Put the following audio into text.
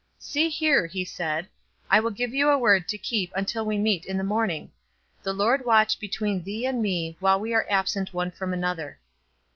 'See here,' he said, 'I will give you a word to keep until we meet in the morning: The Lord watch between thee and me while we are absent one from another.'